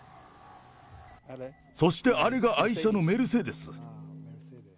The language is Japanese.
そしてあれが愛車のメルセデス。